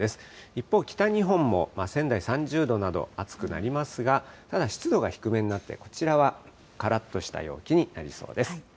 一方、北日本も仙台３０度など、暑くなりますが、ただ、湿度が低めになって、こちらはからっとした陽気になりそうです。